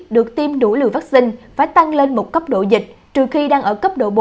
được tiêm đủ liều vaccine phải tăng lên một cấp độ dịch trừ khi đang ở cấp độ bốn